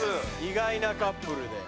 意外なカップルで。